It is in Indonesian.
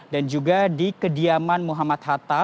dan juga di kediaman muhammad hatta